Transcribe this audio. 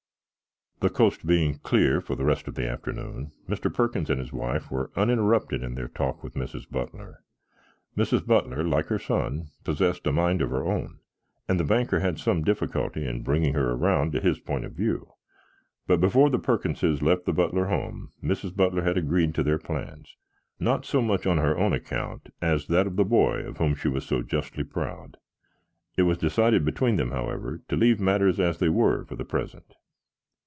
The coast being clear for the rest of the afternoon, Mr. Perkins and his wife were uninterrupted in their talk with Mrs. Butler. Mrs. Butler, like her son, possessed a mind of her own, and the banker had some difficulty in bringing her around to his point of view, but before the Perkinses left the Butler home Mrs. Butler had agreed to their plans, not so much on her own account as that of the boy of whom she was so justly proud. It was decided between them, however, to leave matters as they were for the present.